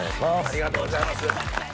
ありがとうございます。